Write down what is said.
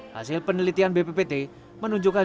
hasil penelitian bppt menunjukkan